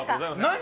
何？